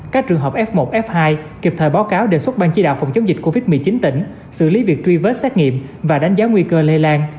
các trường hợp f một f hai kịp thời báo cáo đề xuất ban chỉ đạo phòng chống dịch covid một mươi chín tỉnh xử lý việc truy vết xét nghiệm và đánh giá nguy cơ lây lan